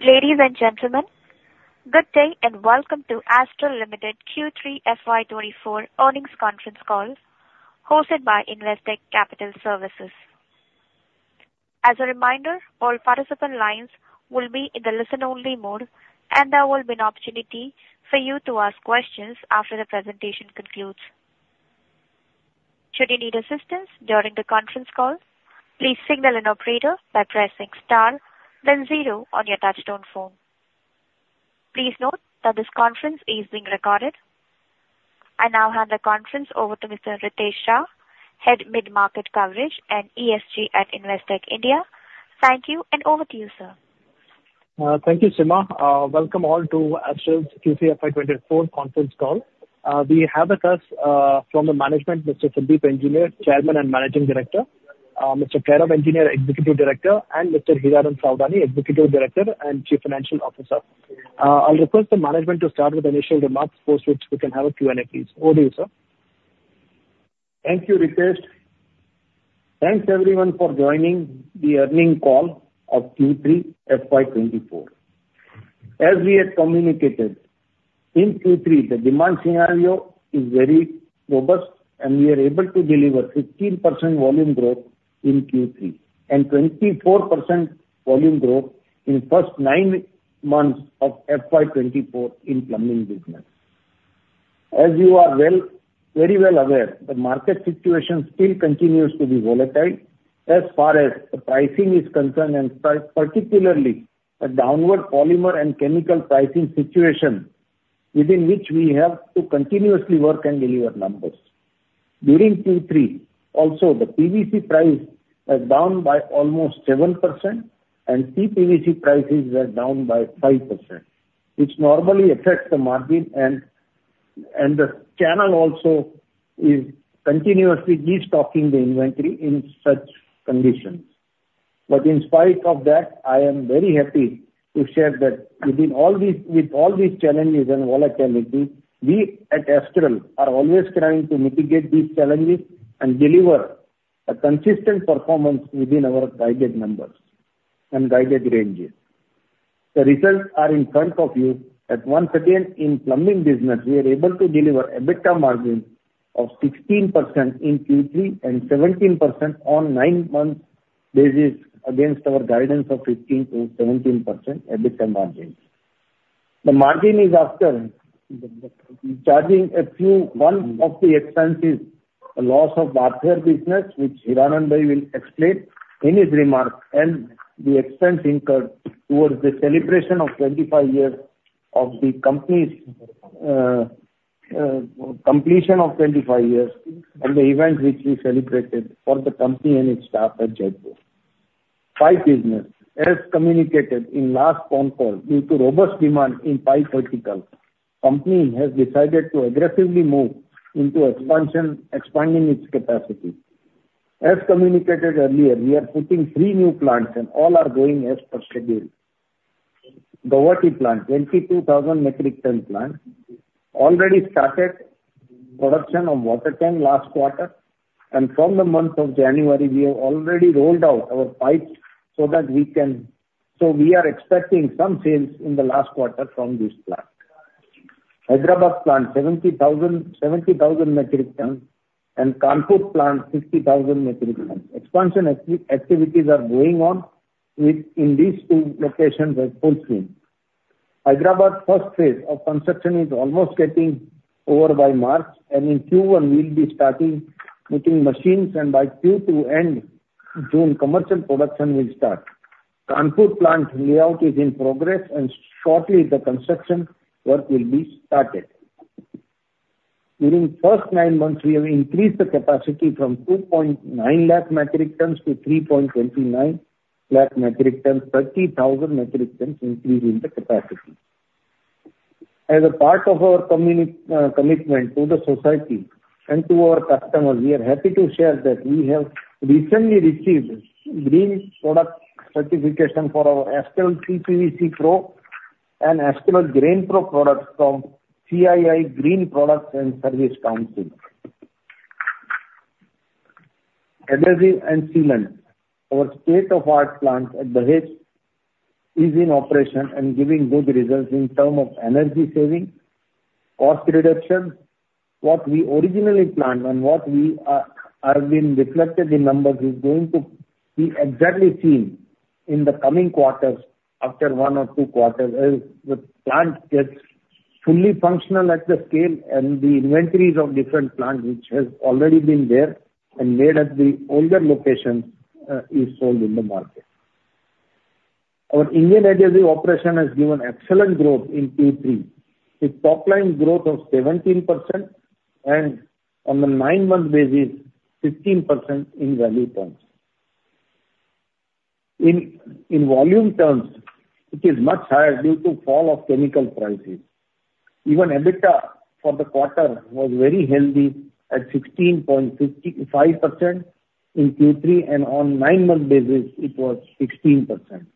Ladies and gentlemen, good day, and welcome to Astral Limited Q3 FY24 earnings conference call, hosted by Investec Capital Services. As a reminder, all participant lines will be in the listen-only mode, and there will be an opportunity for you to ask questions after the presentation concludes. Should you need assistance during the conference call, please signal an operator by pressing star, then zero on your touchtone phone. Please note that this conference is being recorded. I now hand the conference over to Mr. Ritesh Shah, Head of Mid Market Coverage and ESG at Investec Capital Services India. Thank you, and over to you, sir. Thank you, Seema. Welcome all to Astral's Q3 FY24 conference call. We have with us, from the management, Mr. Sandeep Engineer, Chairman and Managing Director, Mr. Kairav Engineer, Executive Director, and Mr. Hiranand Savlani, Executive Director and Chief Financial Officer. I'll request the management to start with initial remarks, post which we can have a Q&A, please. Over to you, sir. Thank you, Ritesh. Thanks, everyone, for joining the earnings call of Q3 FY 2024. As we had communicated, in Q3, the demand scenario is very robust, and we are able to deliver 15% volume growth in Q3 and 24% volume growth in first nine months of FY 2024 in plumbing business. As you are well, very well aware, the market situation still continues to be volatile as far as the pricing is concerned, and particularly the downward polymer and chemical pricing situation, within which we have to continuously work and deliver numbers. During Q3, also, the PVC price was down by almost 7% and CPVC prices were down by 5%, which normally affects the margin, and, and the channel also is continuously destocking the inventory in such conditions. But in spite of that, I am very happy to share that within all these, with all these challenges and volatility, we at Astral are always trying to mitigate these challenges and deliver a consistent performance within our guided numbers and guided ranges. The results are in front of you. And once again, in plumbing business, we are able to deliver EBITDA margin of 16% in Q3 and 17% on nine-month basis against our guidance of 15%-17% EBITDA margins. The margin is after charging a few... One of the expenses, a loss of Bathware business, which Hiranandbhai will explain in his remarks, and the expense incurred towards the celebration of 25 years of the company's completion of 25 years and the event which we celebrated for the company and its staff at Jaipur. Pipe business. As communicated in last conference, due to robust demand in pipe vertical, company has decided to aggressively move into expansion, expanding its capacity. As communicated earlier, we are putting three new plants, and all are going as per schedule. Guwahati plant, 22,000 metric ton plant, already started production on water tank last quarter, and from the month of January, we have already rolled out our pipes so that we can. So we are expecting some sales in the last quarter from this plant. Hyderabad plant, 70,000 metric ton and Kanpur plant, 60,000 metric ton. Expansion activities are going on in these two locations in full swing. Hyderabad first phase of construction is almost getting over by March, and in Q1 we'll be starting putting machines, and by Q2 end June, commercial production will start. Kanpur plant layout is in progress, and shortly the construction work will be started. During first nine months, we have increased the capacity from 2.9 lakh metric tons to 3.29 lakh metric tons, 30,000 metric tons increase in the capacity. As a part of our commitment to the society and to our customers, we are happy to share that we have recently received Green Product Certification for our Astral CPVC PRO and Astral DrainPro products from CII Green Products and Services Council. Adhesives and cement. Our state-of-the-art plant at Dahej is in operation and giving good results in terms of energy saving, cost reduction. What we originally planned and what we are are being reflected in numbers is going to be exactly seen in the coming quarters, after one or two quarters, as the plant gets fully functional at the scale and the inventories of different plants, which has already been there and made at the older locations, is sold in the market. Our Indian Adhesive operation has given excellent growth in Q3, with top line growth of 17% and on the nine-month basis, 15% in value terms. In volume terms, it is much higher due to fall of chemical prices. Even EBITDA for the quarter was very healthy at 16.55% in Q3, and on nine-month basis, it was 16%.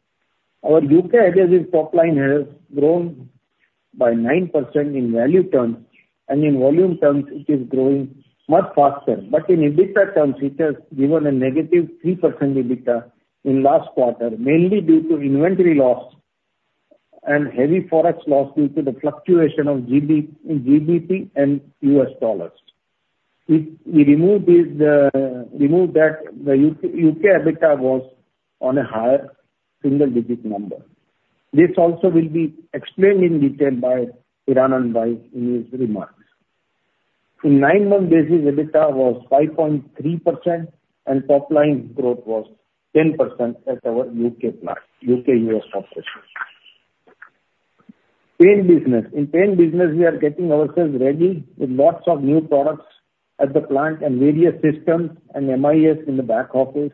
Our UK Adhesive top line has grown by 9% in value terms, and in volume terms, it is growing much faster. But in EBITDA terms, it has given a negative 3% EBITDA in last quarter, mainly due to inventory loss and heavy Forex loss due to the fluctuation of GBP and U.S. dollars. If we remove this, remove that, the UK, UK EBITDA was on a higher single digit number. This also will be explained in detail by Hiranandbhai in his remarks. In nine-month basis, EBITDA was 5.3% and top line growth was 10% at our UK plant, UK/US operations. Paint business. In paint business, we are getting ourselves ready with lots of new products at the plant and various systems and MIS in the back office.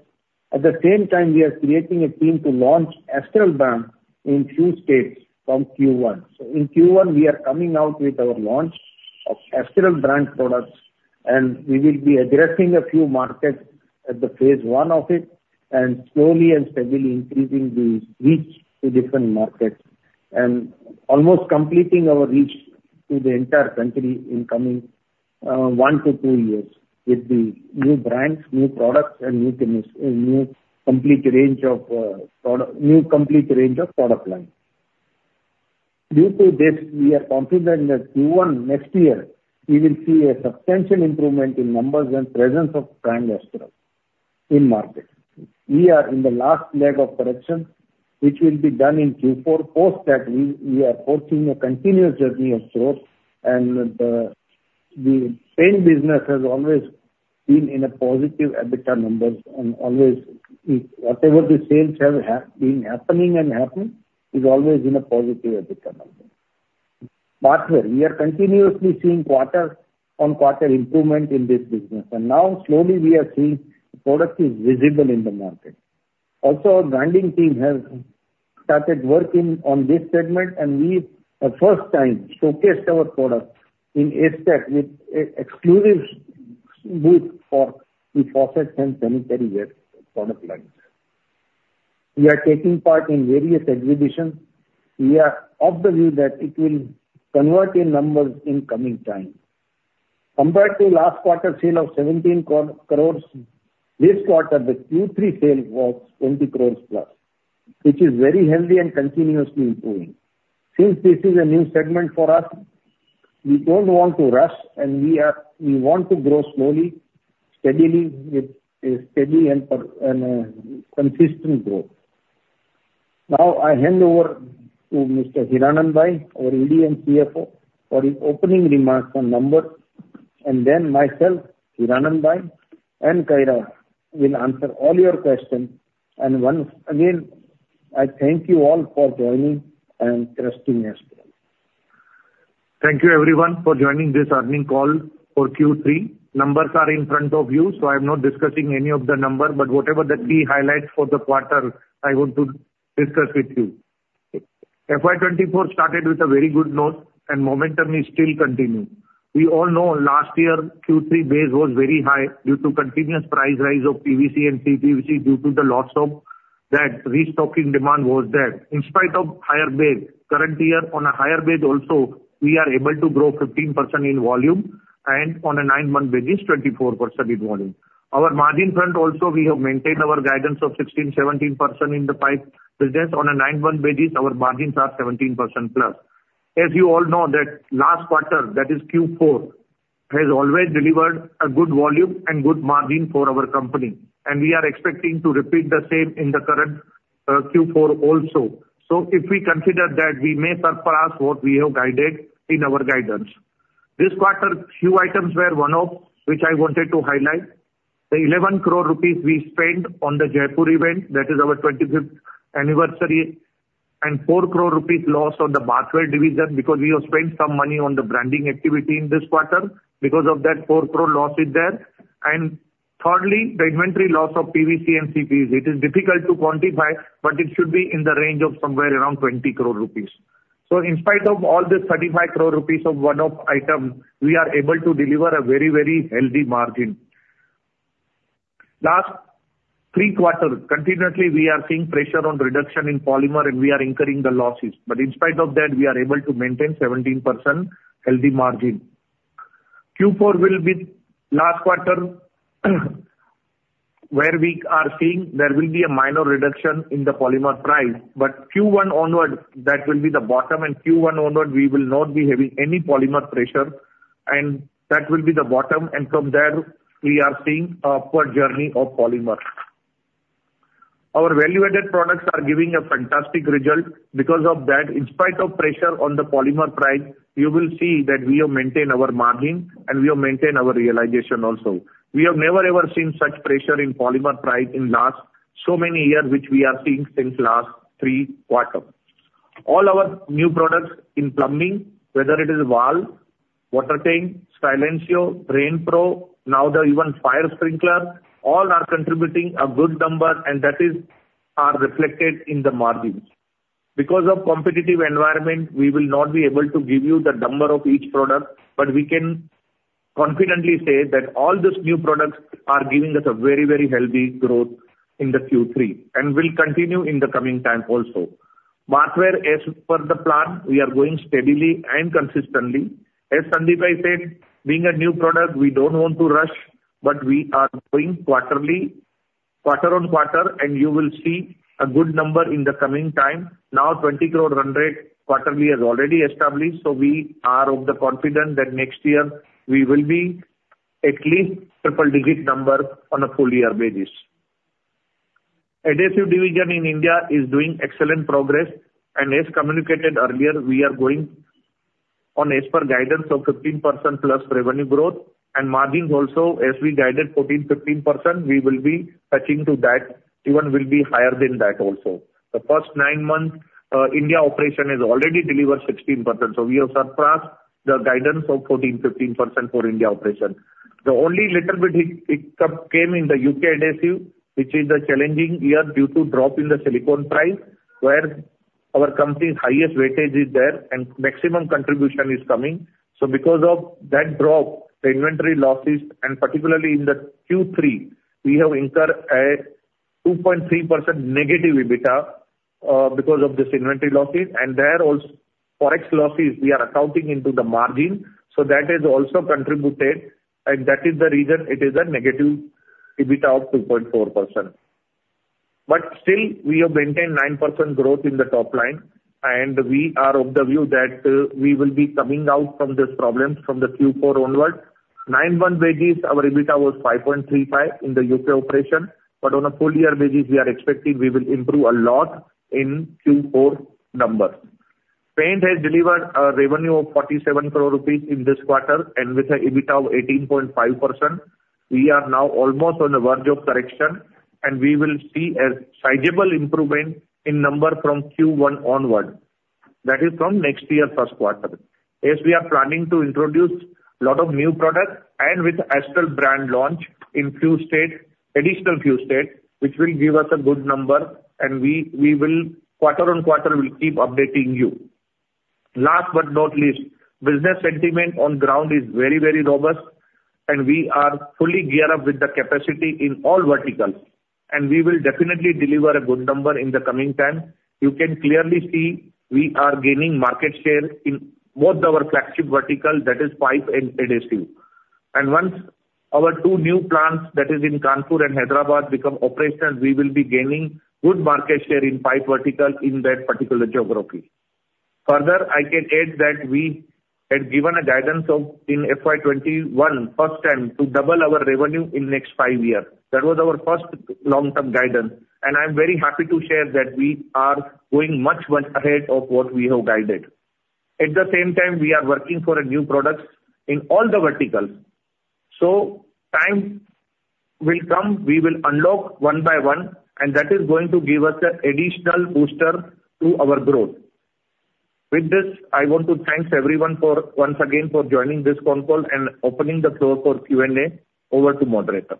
At the same time, we are creating a team to launch Astral brand in few states from Q1. So in Q1, we are coming out with our launch of Astral brand products, and we will be addressing a few markets at the phase one of it, and slowly and steadily increasing the reach to different markets. And almost completing our reach to the entire country in coming, 1-2 years with the new brands, new products and new things, new complete range of, product, new complete range of product line. Due to this, we are confident that Q1 next year, we will see a substantial improvement in numbers and presence of brand Astral in market. We are in the last leg of production, which will be done in Q4. Post that, we are forging a continuous journey of growth and the paint business has always been in positive EBITDA numbers and always, if whatever the sales have been happening and happen, is always in a positive EBITDA number. Bathware, we are continuously seeing quarter-on-quarter improvement in this business, and now slowly we are seeing the product is visible in the market. Also, our branding team has started working on this segment, and we, for first time, showcased our products in ACETECH with exclusive booth for the faucet and sanitary ware product lines. We are taking part in various exhibitions. We are of the view that it will convert in numbers in coming time. Compared to last quarter sale of 17 crores, this quarter, the Q3 sale was 20 crores plus, which is very healthy and continuously improving. Since this is a new segment for us, we don't want to rush, and we want to grow slowly, steadily, with a steady and consistent growth. Now, I hand over to Mr. Hiranandbhai, our ED and CFO, for his opening remarks on numbers, and then myself, Hiranandbhai, and Kairav will answer all your questions. Once again, I thank you all for joining and trusting Astral. Thank you, everyone, for joining this earnings call for Q3. Numbers are in front of you, so I'm not discussing any of the numbers, but whatever the key highlights for the quarter, I want to discuss with you. FY 2024 started with a very good note, and momentum is still continuing. We all know last year, Q3 base was very high due to continuous price rise of PVC and CPVC due to the loss of that restocking demand was there. In spite of higher base, current year on a higher base also, we are able to grow 15% in volume and on a 9-month basis, 24% in volume. Our margin front also, we have maintained our guidance of 16%-17% in the pipe business. On a 9-month basis, our margins are 17%+. As you all know that last quarter, that is Q4, has always delivered a good volume and good margin for our company, and we are expecting to repeat the same in the current Q4 also. So if we consider that, we may surpass what we have guided in our guidance. This quarter, few items were one-off, which I wanted to highlight. The 11 crore rupees we spent on the Jaipur event, that is our 25th anniversary, and 4 crore rupees loss on the Bathware division, because we have spent some money on the branding activity in this quarter. Because of that, 4 crore loss is there. And thirdly, the inventory loss of PVC and CPVC. It is difficult to quantify, but it should be in the range of somewhere around 20 crore rupees. So in spite of all the 35 crore rupees of one-off item, we are able to deliver a very, very healthy margin. Last three quarters, continuously, we are seeing pressure on reduction in polymer and we are incurring the losses, but in spite of that, we are able to maintain 17% healthy margin. Q4 will be last quarter, where we are seeing there will be a minor reduction in the polymer price, but Q1 onward, that will be the bottom, and Q1 onward, we will not be having any polymer pressure, and that will be the bottom, and from there, we are seeing upward journey of polymer. Our value-added products are giving a fantastic result. Because of that, in spite of pressure on the polymer price, you will see that we have maintained our margin, and we have maintained our realization also. We have never, ever seen such pressure in polymer price in last so many years, which we are seeing since last 3 quarters. All our new products in plumbing, whether it is valve, water tank, Silencio, RainPro, now even the fire sprinkler, all are contributing a good number, and that is, are reflected in the margins. Because of competitive environment, we will not be able to give you the number of each product, but we can... confidently say that all those new products are giving us a very, very healthy growth in the Q3 and will continue in the coming time also. Bathware, as per the plan, we are going steadily and consistently. As Sandeep said, being a new product, we don't want to rush, but we are going quarterly, quarter-over-quarter, and you will see a good number in the coming time. Now, 20 crore run rate quarterly is already established, so we are of the confident that next year we will be at least triple digit number on a full year basis. Adhesive division in India is doing excellent progress, and as communicated earlier, we are going on as per guidance of 15%+ revenue growth and margins also, as we guided 14%-15%, we will be touching to that, even will be higher than that also. The first nine months, India operation has already delivered 16%, so we have surpassed the guidance of 14%-15% for India operation. The only little bit hiccup came in the U.K. adhesive, which is a challenging year due to drop in the silicone price, where our company's highest weightage is there and maximum contribution is coming. So because of that drop, the inventory losses, and particularly in the Q3, we have incurred a 2.3% negative EBITDA because of this inventory losses. And there also Forex losses, we are accounting into the margin, so that has also contributed, and that is the reason it is a negative EBITDA of 2.4%. But still, we have maintained 9% growth in the top line, and we are of the view that we will be coming out from these problems from the Q4 onwards. Nine-month basis, our EBITDA was 5.35 in the U.K. operation, but on a full year basis, we are expecting we will improve a lot in Q4 numbers. Paint has delivered a revenue of 47 crore rupees in this quarter, and with an EBITDA of 18.5%, we are now almost on the verge of correction, and we will see a sizable improvement in number from Q1 onward. That is from next year, first quarter. As we are planning to introduce a lot of new products and with Astral brand launch in few states, additional few states, which will give us a good number, and we, we will quarter-over-quarter, we'll keep updating you. Last but not least, business sentiment on ground is very, very robust, and we are fully geared up with the capacity in all verticals, and we will definitely deliver a good number in the coming time. You can clearly see we are gaining market share in both our flagship verticals, that is pipe and adhesive. Once our 2 new plants, that is in Kanpur and Hyderabad, become operational, we will be gaining good market share in pipe vertical in that particular geography. Further, I can add that we had given a guidance of in FY21, first time, to double our revenue in next 5 years. That was our first long-term guidance, and I'm very happy to share that we are going much, much ahead of what we have guided. At the same time, we are working for a new product in all the verticals. Time will come, we will unlock one by one, and that is going to give us an additional booster to our growth. With this, I want to thank everyone for once again for joining this call and opening the floor for Q&A. Over to moderator.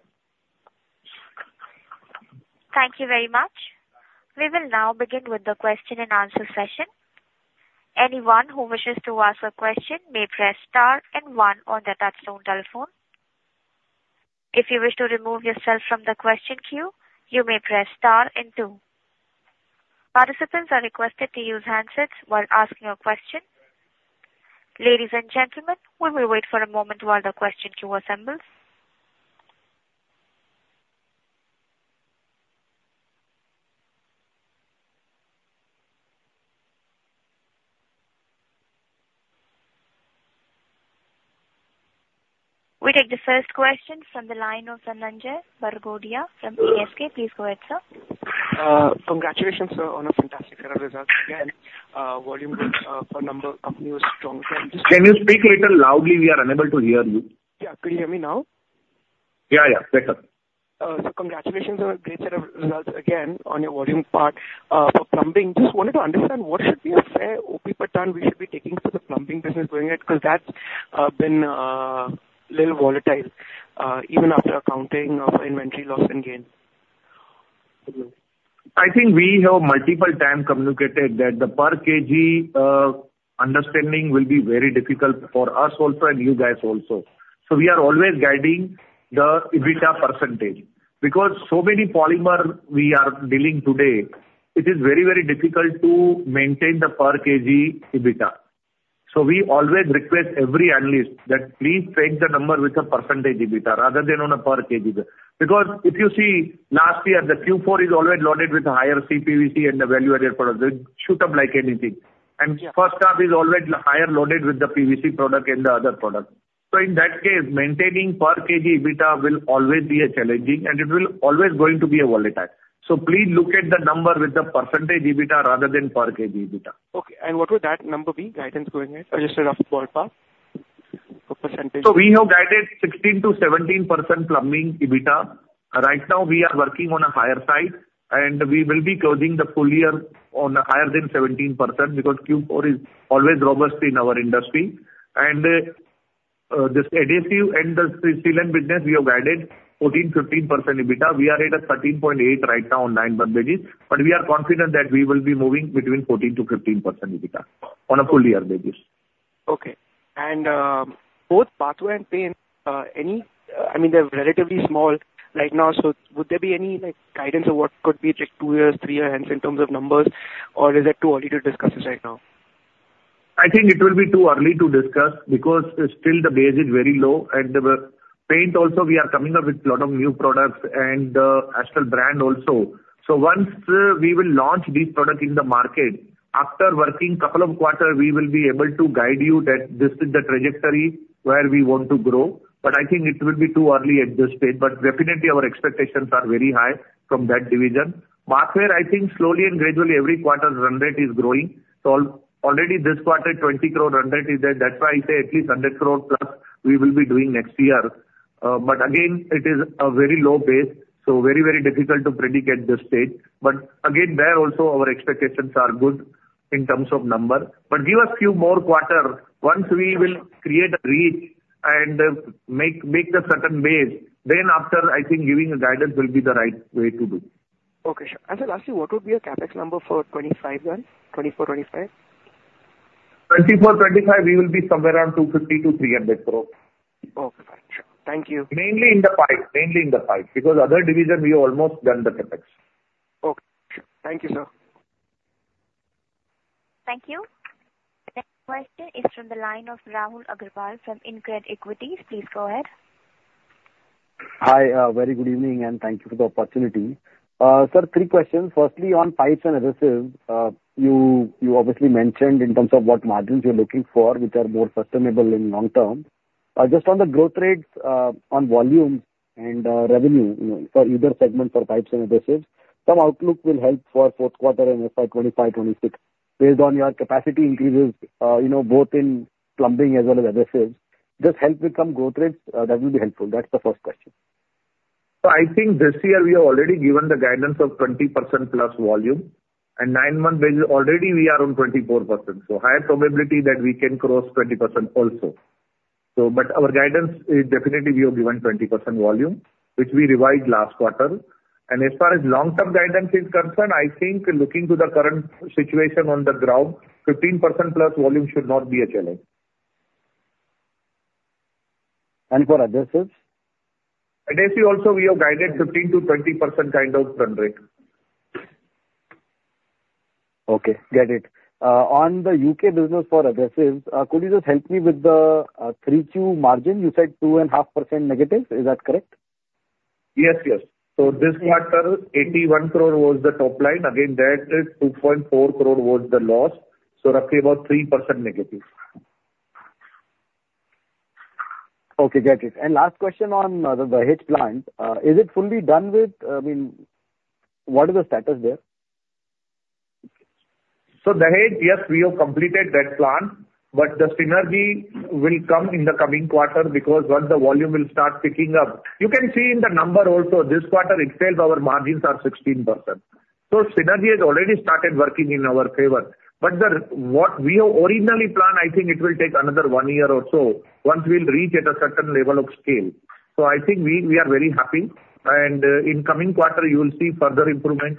Thank you very much. We will now begin with the question-and-answer session. Anyone who wishes to ask a question may press star and one on their touchtone telephone. If you wish to remove yourself from the question queue, you may press star and two. Participants are requested to use handsets while asking a question. Ladies and gentlemen, we will wait for a moment while the question queue assembles. We take the first question from the line of Sujit Jain from ASK. Please go ahead, sir. Congratulations, sir, on a fantastic set of results again. Volume for number of new strong sales. Can you speak little loudly? We are unable to hear you. Yeah. Can you hear me now? Yeah, yeah. Better. So congratulations on a great set of results again, on your volume part. For plumbing, just wanted to understand what should be a fair OE pattern we should be taking for the plumbing business going ahead, 'cause that's been a little volatile, even after accounting of inventory loss and gain. I think we have multiple times communicated that the per kg understanding will be very difficult for us also and you guys also. So we are always guiding the EBITDA percentage. Because so many polymer we are dealing today, it is very, very difficult to maintain the per kg EBITDA. So we always request every analyst that please take the number with a percentage EBITDA rather than on a per kg basis. Because if you see last year, the Q4 is always loaded with a higher CPVC and the value-added product, it shoot up like anything. Yeah. First half is always higher loaded with the PVC product and the other product. In that case, maintaining per kg EBITDA will always be a challenging, and it will always going to be a volatile. Please look at the number with the percentage EBITDA rather than per kg EBITDA. Okay, and what would that number be, guidance going ahead, adjusted after forward PA, for percentage? So we have guided 16%-17% plumbing EBITDA. Right now, we are working on a higher side, and we will be closing the full year on higher than 17%, because Q4 is always robust in our industry. And, this adhesive and the sealant business, we have added 14-15% EBITDA. We are at a 13.8% right now on nine-month basis, but we are confident that we will be moving between 14%-15% EBITDA on a full year basis.... Okay. And, both Bathware and Paint, any, I mean, they're relatively small right now, so would there be any, like, guidance on what could be, like, two years, three years in terms of numbers? Or is that too early to discuss it right now? I think it will be too early to discuss because still the base is very low, and the paint also, we are coming up with a lot of new products and Astral brand also. So once we will launch these products in the market, after working couple of quarters, we will be able to guide you that this is the trajectory where we want to grow. But I think it will be too early at this stage. But definitely our expectations are very high from that division. Bathware, I think slowly and gradually, every quarter's run rate is growing. So already this quarter, 20 crore run rate is there. That's why I say at least 100 crore plus we will be doing next year. But again, it is a very low base, so very, very difficult to predict at this stage. But again, there also our expectations are good in terms of numbers. But give us few more quarters. Once we will create a reach and make the certain base, then after, I think giving a guidance will be the right way to do. Okay, sure. And sir, lastly, what would be your CapEx number for 2025 then, 2024, 2025? 2024, 2025, we will be somewhere around 250 crore-300 crore. Okay, thank you. Mainly in the pipes, mainly in the pipes, because other divisions we have almost done the CapEx. Okay. Thank you, sir. Thank you. The next question is from the line of Rahul Agarwal from InCred Equities. Please go ahead. Hi, very good evening and thank you for the opportunity. Sir, three questions. Firstly, on pipes and adhesives, you, you obviously mentioned in terms of what margins you're looking for, which are more sustainable in long term. Just on the growth rates, on volumes and revenue for either segment, for pipes and adhesives, some outlook will help for fourth quarter and FY 25, 26. Based on your capacity increases, you know, both in plumbing as well as adhesives, just help with some growth rates, that will be helpful. That's the first question. So I think this year we have already given the guidance of 20% plus volume, and nine months, already we are on 24%, so higher probability that we can cross 20% also. So, but our guidance is definitely we have given 20% volume, which we revised last quarter. And as far as long-term guidance is concerned, I think looking to the current situation on the ground, 15% plus volume should not be a challenge. And for adhesives? Adhesives also, we have guided 15%-20% kind of run rate. Okay, get it. On the U.K. business for adhesives, could you just help me with the 3Q margin? You said -2.5%. Is that correct? Yes, yes. So this quarter, 81 crore was the top line. Again, that is 2.4 crore was the loss, so roughly about 3% negative. Okay, get it. Last question on the Dahej plant. I mean, what is the status there? So Dahej, yes, we have completed that plant, but the synergy will come in the coming quarter, because once the volume will start picking up. You can see in the number also, this quarter itself, our margins are 16%. So synergy has already started working in our favor. But the, what we have originally planned, I think it will take another one year or so, once we'll reach at a certain level of scale. So I think we, we are very happy, and in coming quarter you will see further improvement.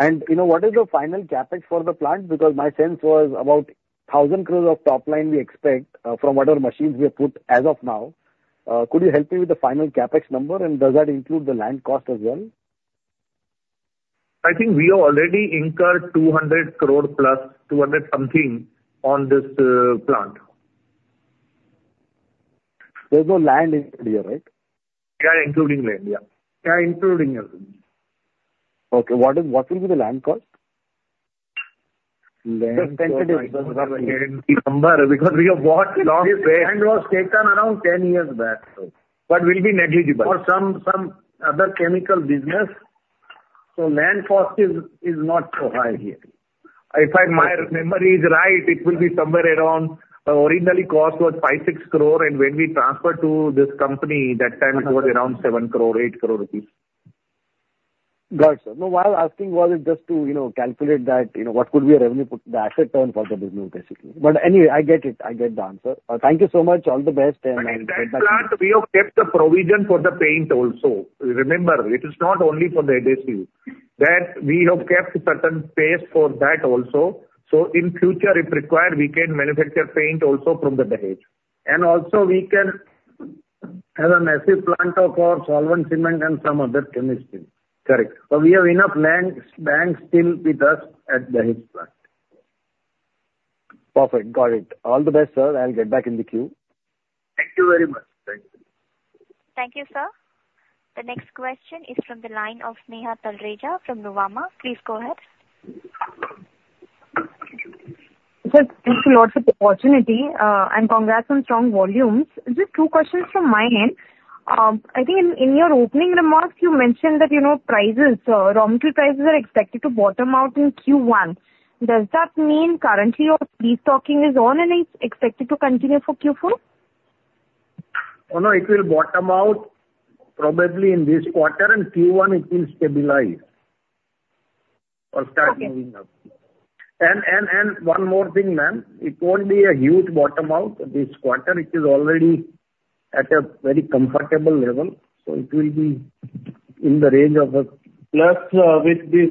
You know, what is the final CapEx for the plant? Because my sense was about 1,000 crore of top line we expect from whatever machines we have put as of now. Could you help me with the final CapEx number, and does that include the land cost as well? I think we have already incurred 200 crore plus, 200 something on this plant. There's no land included here, right? Yeah, including land. Yeah. Yeah, including everything. Okay, what is, what will be the land cost? Land cost number, because we have bought long back. Land was taken around 10 years back, so. will be negligible. For some other chemical business. So land cost is not so high here. If I, my memory is right, it will be somewhere around, originally cost was 5-6 crore, and when we transferred to this company, that time it was around 7-8 crore rupees. Got it, sir. No, why I'm asking was it just to, you know, calculate that, you know, what could be a revenue put the asset turn for the business, basically. But anyway, I get it. I get the answer. Thank you so much. All the best, and- But that plant, we have kept the provision for the paint also. Remember, it is not only for the adhesive, that we have kept certain space for that also. So in future, if required, we can manufacture paint also from the Dahej. And also, we can have a massive plant of our solvent cement and some other chemistry. Correct. We have enough land bank still with us at Dahej plant. Perfect. Got it. All the best, sir. I'll get back in the queue. Thank you very much. Thank you. Thank you, sir. The next question is from the line of Neha Talreja from Nomura. Please go ahead. Sir, thank you a lot for the opportunity, and congrats on strong volumes. Just two questions from my end. I think in your opening remarks, you mentioned that, you know, prices, raw material prices are expected to bottom out in Q1. Does that mean currently your restocking is on and is expected to continue for Q4? Oh, no, it will bottom out probably in this quarter, and Q1 it will stabilize or start moving up. Okay. And one more thing, ma'am. It won't be a huge bottom out this quarter. It is already- ... at a very comfortable level, so it will be in the range of a- Plus, with this,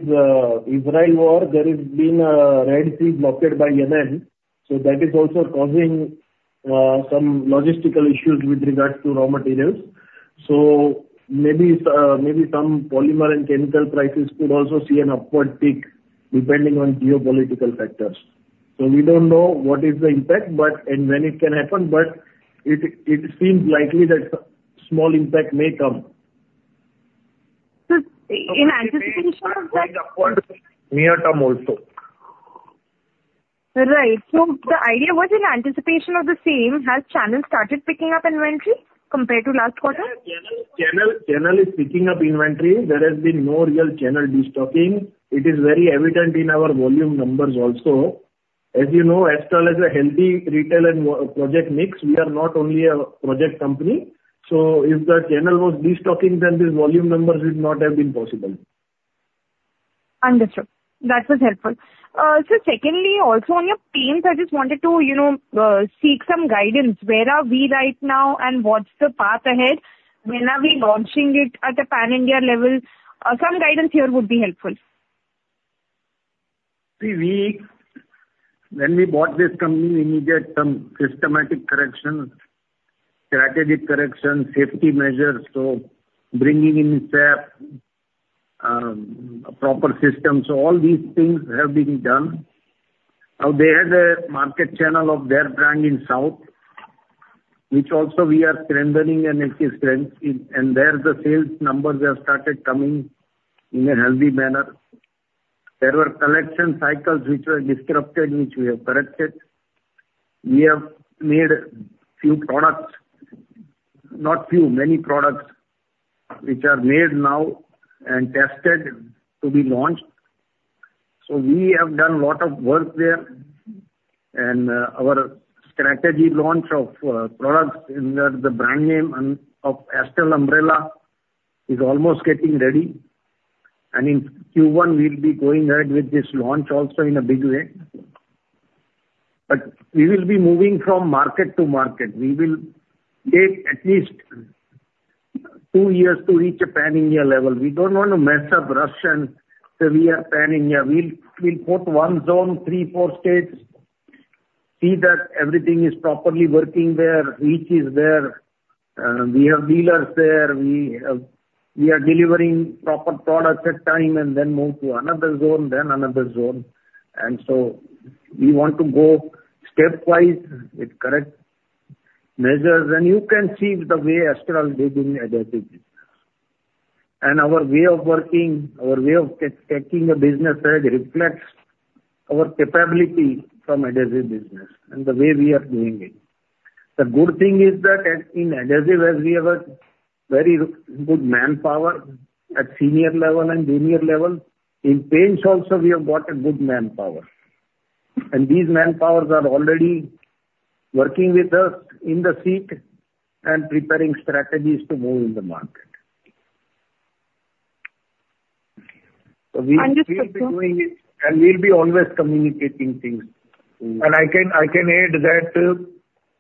Israel war, there has been a Red Sea blocked by Iran, so that is also causing, some logistical issues with regards to raw materials. So maybe, maybe some polymer and chemical prices could also see an upward tick depending on geopolitical factors. So we don't know what is the impact, but, and when it can happen, but it, it seems likely that small impact may come. So in anticipation of that- Near term also. Right. So the idea was in anticipation of the same, has channel started picking up inventory compared to last quarter? Channel is picking up inventory. There has been no real channel de-stocking. It is very evident in our volume numbers also. As you know, Astral has a healthy retail and more project mix. We are not only a project company, so if the channel was de-stocking, then these volume numbers would not have been possible. Understood. That was helpful. So secondly, also on your teams, I just wanted to, you know, seek some guidance. Where are we right now, and what's the path ahead? When are we launching it at a pan-India level? Some guidance here would be helpful. See, when we bought this company, we needed some systematic correction, strategic correction, safety measures, so bringing in staff, proper systems, so all these things have been done. Now, they had a market channel of their brand in South, which also we are strengthening and it is strengthening, and there the sales numbers have started coming in a healthy manner. There were collection cycles which were disrupted, which we have corrected. We have made a few products, not few, many products, which are made now and tested to be launched. So we have done a lot of work there, and our strategy launch of products in the brand name and of Astral Umbrella is almost getting ready. And in Q1, we'll be going ahead with this launch also in a big way. But we will be moving from market to market. We will take at least two years to reach a pan-India level. We don't want to mess up, rush, and say we are pan-India. We'll put one zone, three, four states, see that everything is properly working there, reach is there, we have dealers there, we are delivering proper products at time, and then move to another zone, then another zone. And so we want to go step wise with correct measures. And you can see the way Astral is doing adhesive business. And our way of working, our way of taking a business ahead reflects our capability from adhesive business and the way we are doing it. The good thing is that in adhesive, as we have a very good manpower at senior level and junior level, in paints also we have got a good manpower. These manpowers are already working with us in the C-suite and preparing strategies to move in the market. Understood, sir. We will be doing it, and we'll be always communicating things. I can, I can add that,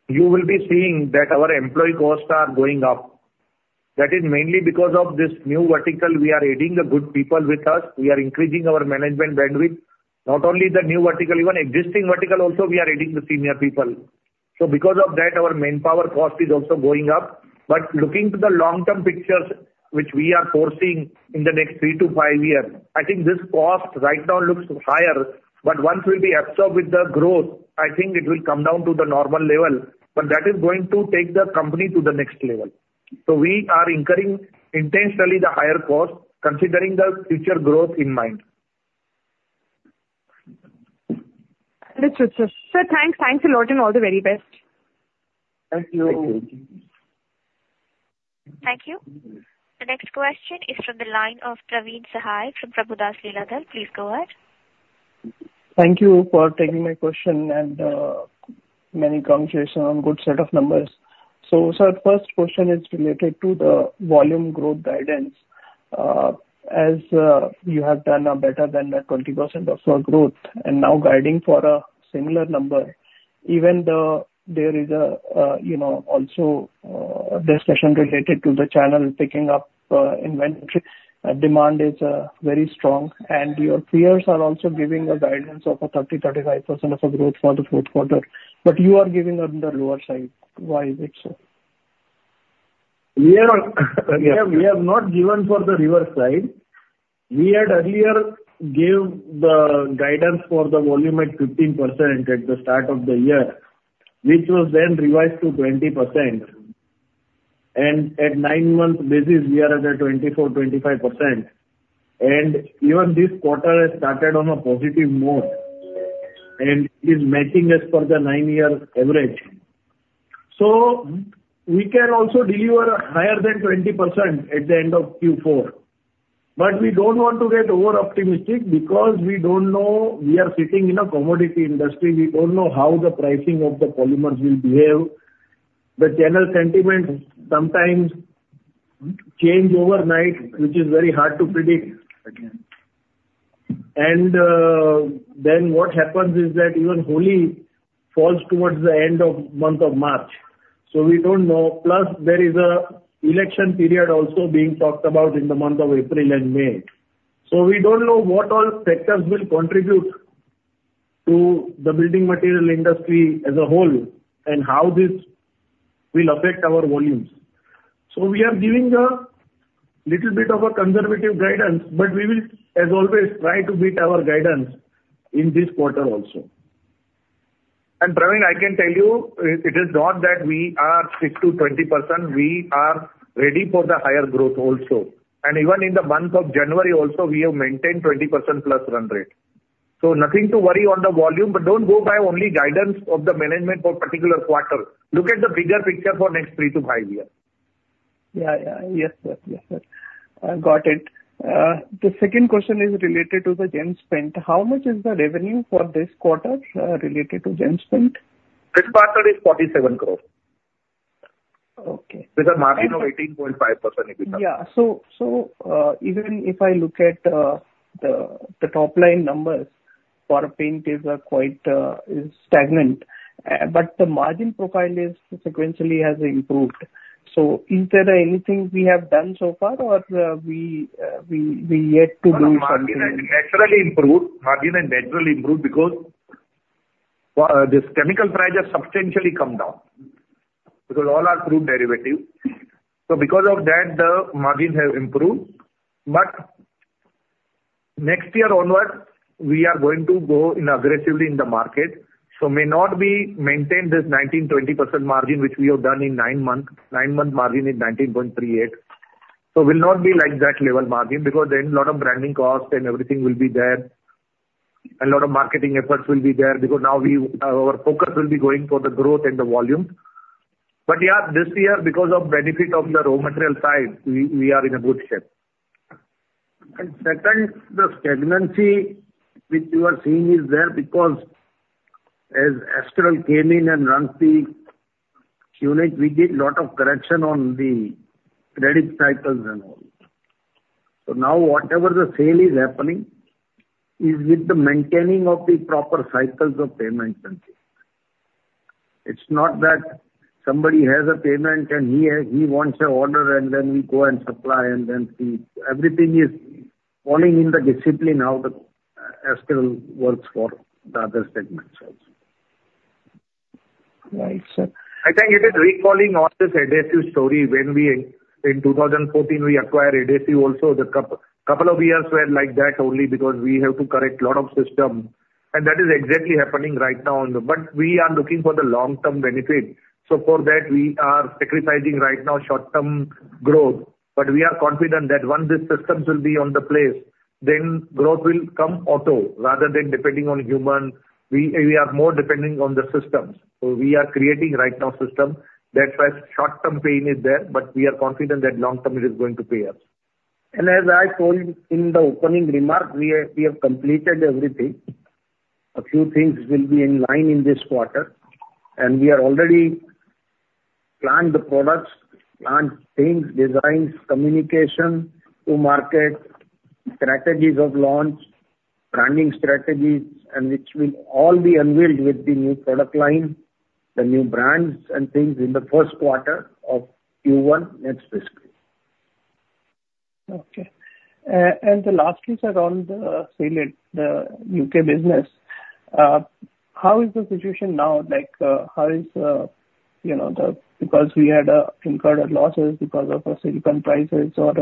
you will be seeing that our employee costs are going up. That is mainly because of this new vertical. We are adding the good people with us. We are increasing our management bandwidth. Not only the new vertical, even existing vertical also, we are adding the senior people. Because of that, our manpower cost is also going up. Looking to the long-term pictures, which we are foreseeing in the next 3-5 years, I think this cost right now looks higher, but once we'll be absorbed with the growth, I think it will come down to the normal level. That is going to take the company to the next level. We are incurring intentionally the higher cost, considering the future growth in mind. Understood, sir. Sir, thanks. Thanks a lot, and all the very best. Thank you. Thank you. The next question is from the line of Praveen Sahay from Prabhudas Lilladher. Please go ahead. Thank you for taking my question, and many congratulations on good set of numbers. So sir, first question is related to the volume growth guidance. As you have done a better than the 20% of our growth, and now guiding for a similar number, even though there is a you know, also discussion related to the channel picking up inventory, demand is very strong, and your peers are also giving a guidance of a 30-35% of the growth for the fourth quarter, but you are giving on the lower side. Why is it so? We have not given for the lower side. We had earlier gave the guidance for the volume at 15% at the start of the year, which was then revised to 20%. And at nine-month basis, we are at a 24%-25%. And even this quarter has started on a positive note, and it is matching as per the nine-year average. So we can also deliver higher than 20% at the end of Q4, but we don't want to get over-optimistic because we don't know... We are sitting in a commodity industry, we don't know how the pricing of the polymers will behave. The general sentiment sometimes change overnight, which is very hard to predict.... And, then what happens is that even Holi falls towards the end of month of March, so we don't know. Plus, there is an election period also being talked about in the month of April and May. So we don't know what all factors will contribute to the building material industry as a whole and how this will affect our volumes. So we are giving a little bit of a conservative guidance, but we will, as always, try to beat our guidance in this quarter also. And Praveen, I can tell you, it, it is not that we are strict to 20%, we are ready for the higher growth also. And even in the month of January also we have maintained 20%+ run rate. So nothing to worry on the volume, but don't go by only guidance of the management for particular quarter. Look at the bigger picture for next 3-5 years. Yeah, yeah. Yes, sir. Yes, sir. Got it. The second question is related to the Gem Paints This quarter is 47 crore. Okay. With a margin of 18.5% EBITDA. Yeah. So even if I look at the top line numbers for paint is quite is stagnant, but the margin profile is sequentially has improved. So is there anything we have done so far or we yet to do something? Margin has naturally improved. Margin has naturally improved because, this chemical prices substantially come down, because all are through derivative. So because of that, the margin has improved. But next year onwards, we are going to go in aggressively in the market, so may not be maintained this 19%-20% margin, which we have done in 9 months, 9 months margin is 19.38. So will not be like that level margin, because then a lot of branding costs and everything will be there. A lot of marketing efforts will be there, because now we, our focus will be going for the growth and the volume. But yeah, this year, because of benefit of the raw material side, we, we are in a good shape. Second, the stagnancy which you are seeing is there because as Astral came in and runs the unit, we did lot of correction on the credit cycles and all. So now whatever the sale is happening is with the maintaining of the proper cycles of payments and things. It's not that somebody has a payment and he, he wants an order, and then we go and supply and then he... Everything is falling in the discipline, how the Astral works for the other segments also. Right, sir. I think it is recalling all this adhesives story when we, in 2014, we acquired adhesives also. The couple of years were like that only because we have to correct lot of systems, and that is exactly happening right now. But we are looking for the long-term benefit. So for that, we are sacrificing right now short-term growth. But we are confident that once these systems will be on the place, then growth will come auto rather than depending on human. We, we are more depending on the systems. So we are creating right now system. That's why short-term pain is there, but we are confident that long-term it is going to pay us. And as I told you in the opening remarks, we have, we have completed everything. A few things will be in line in this quarter, and we are already planned the products, planned things, designs, communication to market, strategies of launch, branding strategies, and which will all be unveiled with the new product line, the new brands and things in the first quarter of Q1 next fiscal. Okay. And the last is around the, sealant, the UK business. How is the situation now? Like, how is, you know, the... Because we had, incurred losses because of our silicone prices or,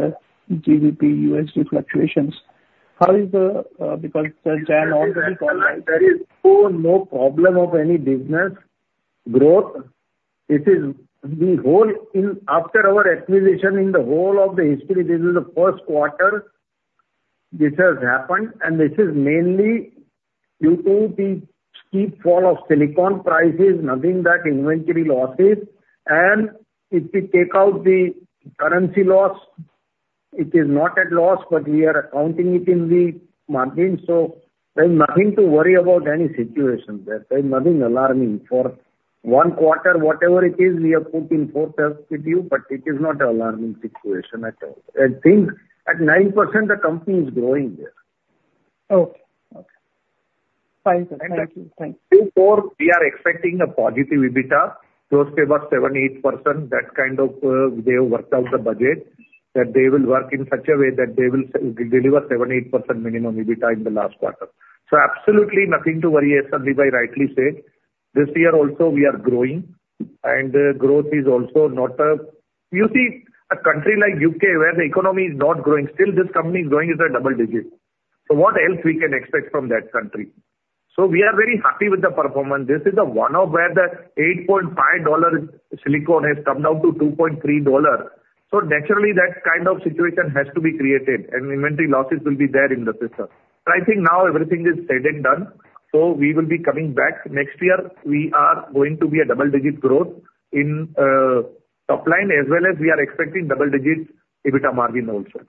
GBP, USD fluctuations. How is the, because the Jan- There is so no problem of any business growth. It is the whole in, after our acquisition, in the whole of the history, this is the first quarter this has happened, and this is mainly due to the steep fall of silicone prices, nothing that inventory losses. And if we take out the currency loss, it is not at loss, but we are accounting it in the margin. So there is nothing to worry about any situation there. There's nothing alarming. For one quarter, whatever it is, we are putting forth as with you, but it is not an alarming situation at all. I think at 9%, the company is growing there. Okay. Okay. Fine, sir. Thank you. Thank you. Therefore, we are expecting a positive EBITDA, close to about 7%-8%. That kind of, they have worked out the budget, that they will work in such a way that they will deliver 7%-8% minimum EBITDA in the last quarter. So absolutely nothing to worry, as Sandeep rightly said. This year also we are growing, and growth is also not a... You see, a country like U.K., where the economy is not growing, still this company is growing at a double-digit. So what else we can expect from that country? So we are very happy with the performance. This is the one where the $8.5 silicone has come down to $2.3. So naturally, that kind of situation has to be created, and inventory losses will be there in the system. But I think now everything is said and done, so we will be coming back. Next year, we are going to be a double-digit growth in top line, as well as we are expecting double digits EBITDA margin also.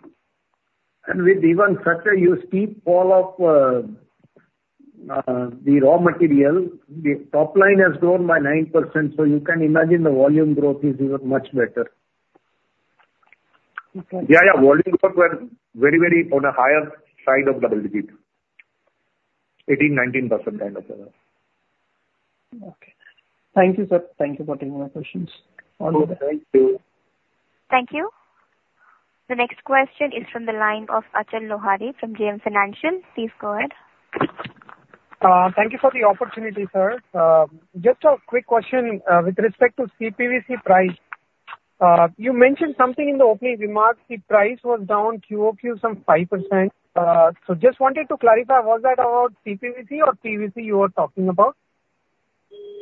With even such a steep fall of the raw material, the top line has grown by 9%, so you can imagine the volume growth is even much better. Yeah, yeah, volume growth were very, very on a higher side of double digit. 18, 19% kind of error. Okay. Thank you, sir. Thank you for taking my questions. Okay, thank you. Thank you. The next question is from the line of Achal Lohani from JM Financial. Please go ahead. Thank you for the opportunity, sir. Just a quick question with respect to CPVC price. You mentioned something in the opening remarks, the price was down QOQ some 5%. So just wanted to clarify, was that about CPVC or PVC you were talking about?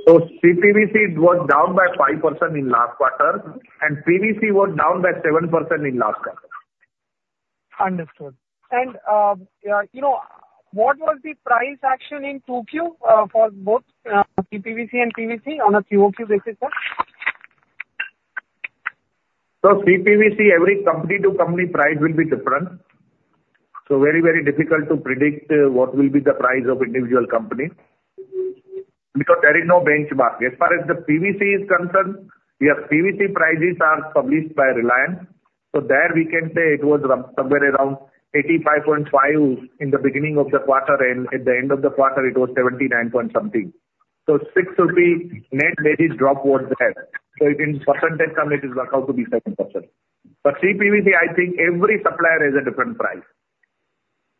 CPVC was down by 5% in last quarter, and PVC was down by 7% in last quarter. Understood. You know, what was the price action in 2Q for both CPVC and PVC on a QOQ basis, sir? So CPVC, every company to company price will be different. So very, very difficult to predict what will be the price of individual company, because there is no benchmark. As far as the PVC is concerned, yes, PVC prices are published by Reliance, so there we can say it was around, somewhere around 85.5 in the beginning of the quarter, and at the end of the quarter it was 79 point something. So 6 would be net decrease drop was there. So in percentage, somewhere it will work out to be 7%. But CPVC, I think every supplier has a different price.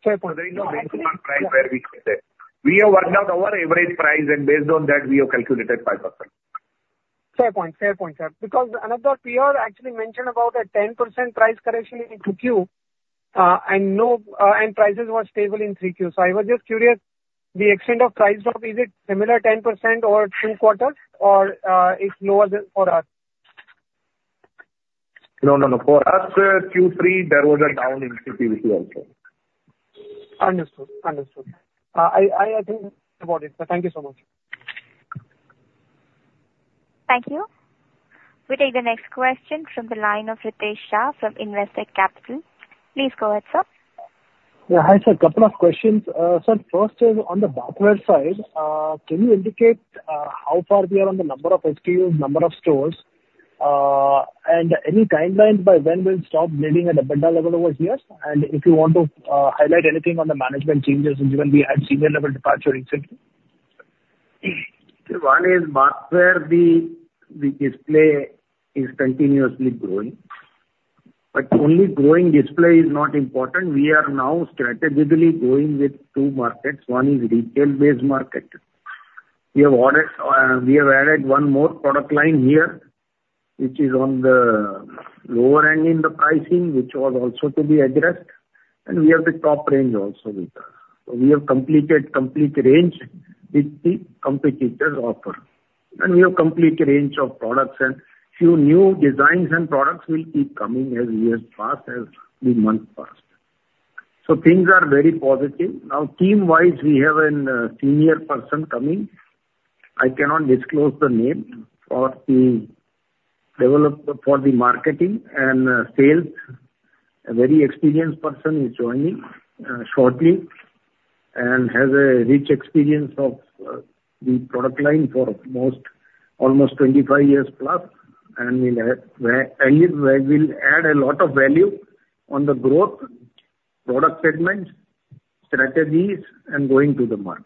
Fair point. There is no benchmark price where we could say. We have worked out our average price, and based on that, we have calculated 5%. Fair point. Fair point, sir. Because another peer actually mentioned about a 10% price correction in 2Q, and prices were stable in 3Q. So I was just curious, the extent of price drop, is it similar 10% over two quarters or it's lower than for us? No, no, no. For us, Q3, there was a down in CPVC also. Understood. Understood. I think about it. Thank you so much. Thank you. We take the next question from the line of Ritesh Shah from Investec Capital. Please go ahead, sir. Yeah. Hi, sir. Couple of questions. Sir, first is on the bathroom side, can you indicate how far we are on the number of SKUs, number of stores, and any timelines by when we'll stop building at a vendor level over here? And if you want to, highlight anything on the management changes, which will be at senior level departure, et cetera. One is bath where the display is continuously growing. But only growing display is not important. We are now strategically going with two markets. One is retail-based market. We have ordered, we have added one more product line here, which is on the lower end in the pricing, which was also to be addressed, and we have the top range also with us. So we have completed complete range, which the competitors offer. And we have complete range of products, and few new designs and products will keep coming as years pass, as the months pass. So things are very positive. Now, team-wise, we have a senior person coming. I cannot disclose the name for the developer, for the marketing and sales. A very experienced person is joining shortly, and has a rich experience of the product line for almost 25 years plus, and will add a lot of value on the growth, product segments, strategies, and going to the market.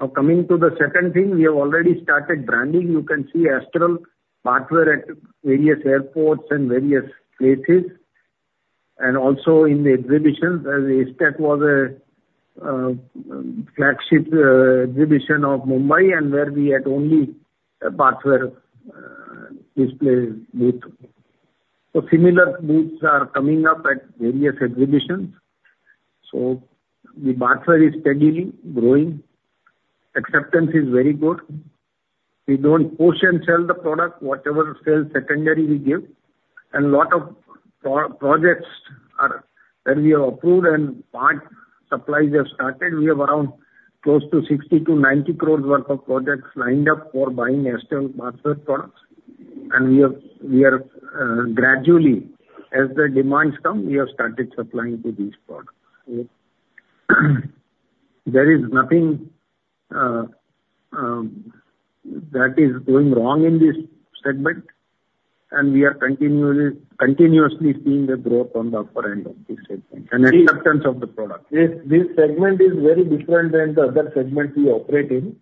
Now, coming to the second thing, we have already started branding. You can see Astral Bathware at various airports and various places, and also in the exhibitions. ACETECH was a flagship exhibition of Mumbai, and where we had only a bathware display booth. So similar booths are coming up at various exhibitions. So the bathware is steadily growing. Acceptance is very good. We don't push and sell the product. Whatever sales, secondary we give, and lot of pro-projects are that we have approved and parts supplies have started. We have around close to 60-90 crore worth of projects lined up for buying Astral Bathware products. We are gradually, as the demands come, we have started supplying to these products. There is nothing that is going wrong in this segment, and we are continuously seeing a growth on the upper end of this segment and acceptance of the product. This segment is very different than the other segments we operate in.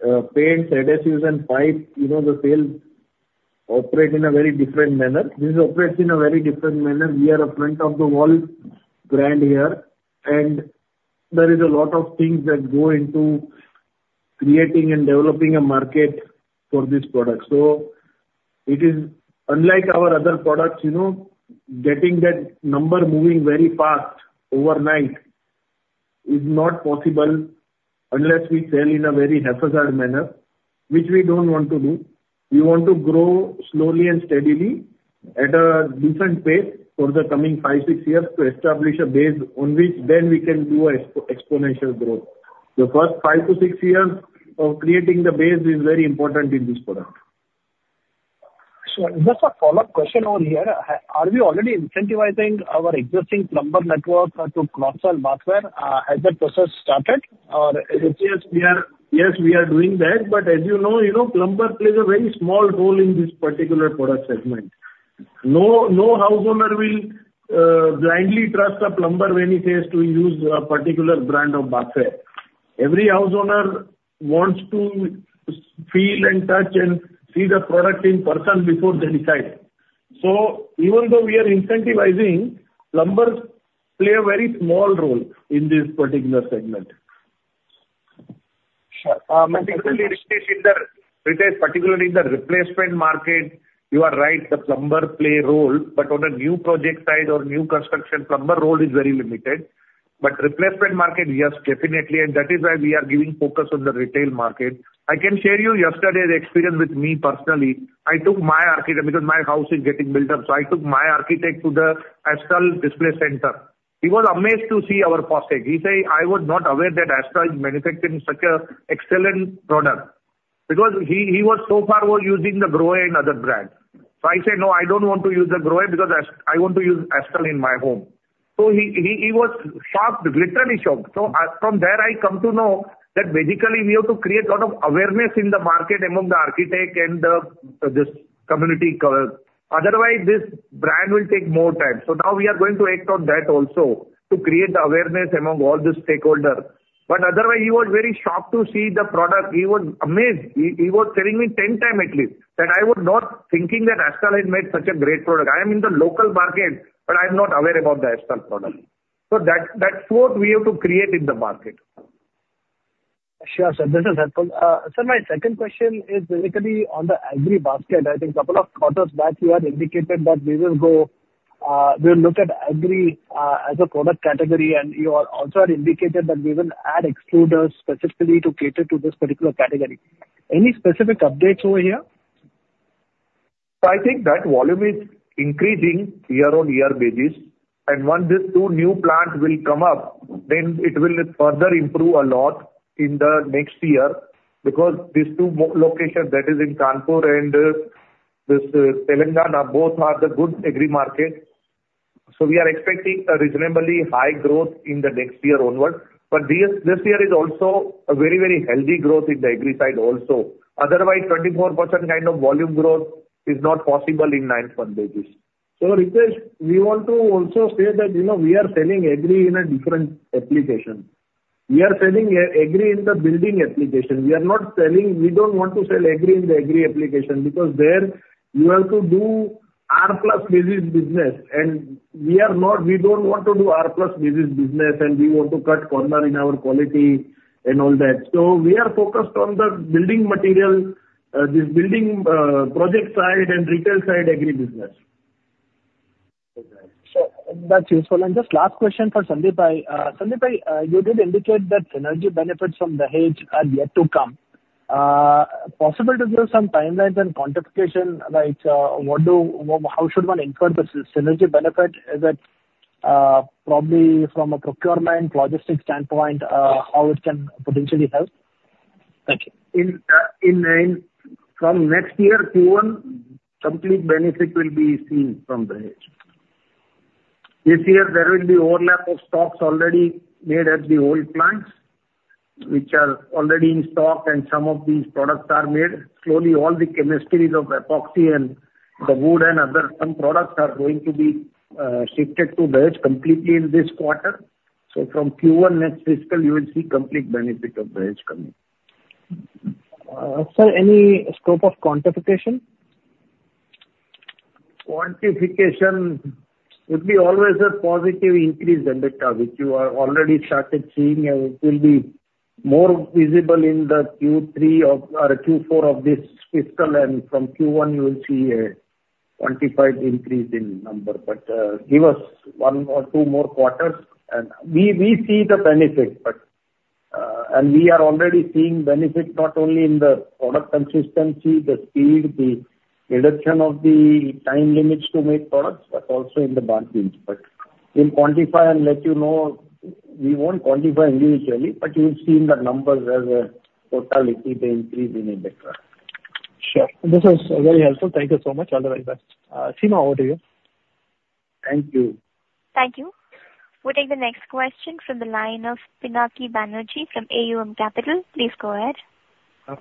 Paints, adhesives, and pipes, you know, the sales operate in a very different manner. This operates in a very different manner. We are a front of the wall brand here, and there is a lot of things that go into creating and developing a market for this product. So it is unlike our other products, you know, getting that number moving very fast overnight is not possible unless we sell in a very haphazard manner, which we don't want to do. We want to grow slowly and steadily at a different pace for the coming 5-6 years, to establish a base on which then we can do a expo- exponential growth. The first 5-6 years of creating the base is very important in this product. So just a follow-up question on here. Are we already incentivizing our existing plumber network to cross-sell bathware? Has that process started? Yes, we are, yes, we are doing that, but as you know, you know, plumber plays a very small role in this particular product segment. ...No, no house owner will blindly trust a plumber when he says to use a particular brand of bathware. Every house owner wants to feel and touch and see the product in person before they decide. So even though we are incentivizing, plumbers play a very small role in this particular segment. Sure. Particularly, Ritesh, in the, Ritesh, particularly in the replacement market, you are right, the plumber play role, but on a new project side or new construction, plumber role is very limited. But replacement market, yes, definitely, and that is why we are giving focus on the retail market. I can share you yesterday's experience with me personally. I took my architect, because my house is getting built up, so I took my architect to the Astral display center. He was amazed to see our He says, "I was not aware that Astral is manufacturing such an excellent product." Because he was so far using the Grohe and other brand. So I said, "No, I don't want to use the Grohe because Ast- I want to use Astral in my home." So he was shocked, literally shocked. So from there, I come to know that basically we have to create a lot of awareness in the market among the architect and the, this community connect, otherwise this brand will take more time. So now we are going to act on that also to create the awareness among all the stakeholder. But otherwise, he was very shocked to see the product. He was amazed! He was telling me 10 times at least that, "I was not thinking that Astral has made such a great product. I am in the local market, but I am not aware about the Astral product." So that, that flow we have to create in the market. Sure, sir, this is helpful. Sir, my second question is basically on the Agri basket. I think couple of quarters back, you had indicated that we will go, we'll look at Agri, as a product category, and you are also had indicated that we will add extruders specifically to cater to this particular category. Any specific updates over here? So I think that volume is increasing year on year basis, and once these two new plants will come up, then it will further improve a lot in the next year. Because these two locations that is in Kanpur and, this, Telangana, both are the good agri market. So we are expecting a reasonably high growth in the next year onward. But this, this year is also a very, very healthy growth in the agri side also. Otherwise, 24% kind of volume growth is not possible in nine months basis. So, Ritesh, we want to also say that, you know, we are selling agri in a different application. We are selling agri in the building application. We are not selling... We don't want to sell agri in the agri application because there you have to do arthiya business, business, and we are not—we don't want to do arthiya business, business, and we want to cut corners in our quality and all that. So we are focused on the building material, this building, project side and retail side agri business. So that's useful. And just last question for Sandeep, Sandeep, you did indicate that synergy benefits from the Dahej are yet to come. Possible to give some timelines and quantification, like, how should one incur the synergy benefit? Is it, probably from a procurement, logistics standpoint, how it can potentially help? Thank you. from next year, Q1, complete benefit will be seen from Dahej. This year, there will be overlap of stocks already made at the old plants, which are already in stock, and some of these products are made. Slowly, all the chemistries of epoxy and the wood and other some products are going to be shifted to Dahej completely in this quarter. So from Q1 next fiscal, you will see complete benefit of Dahej coming. Sir, any scope of quantification? Quantification would be always a positive increase in the data, which you are already started seeing, and it will be more visible in the Q3 or Q4 of this fiscal. From Q1, you will see a quantified increase in number. But, give us one or two more quarters, and we, we see the benefit, but, and we are already seeing benefit not only in the product consistency, the speed, the reduction of the time limits to make products, but also in the margins. But we'll quantify and let you know. We won't quantify individually, but you've seen the numbers as a totality, the increase in the data. Sure. This is very helpful. Thank you so much. All the very best. Seema, over to you. Thank you. Thank you. We'll take the next question from the line of Pinaki Banerjee from Aum Capital